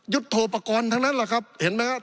ยุทธโทปกรณ์ทั้งนั้นแหละครับเห็นไหมครับ